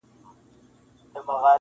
چي پښتو پالي په هر وخت کي پښتانه ملګري,